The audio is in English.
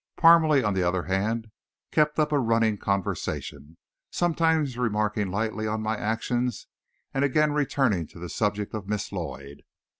Parmalee, on the other hand, kept up a running conversation, sometimes remarking lightly on my actions, and again returning to the subject of Miss Lloyd.